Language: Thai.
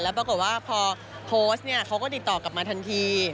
แล้วปรากฏว่าพอโพสต์เขาก็ติดต่อกลับมาทันที